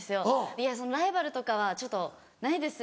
「いやそんなライバルとかはちょっとないです」みたいな。